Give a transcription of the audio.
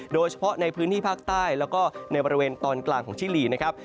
โดยเฉพาะในพื้นที่ภาคใต้แล้วก็ในบริเวณตอนกลางของชิลีนะครับ